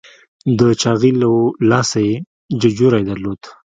د چاغي له لاسه یې ججوری درلود.